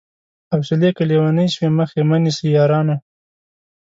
حوصلې که ليونۍ سوې مخ يې مه نيسئ يارانو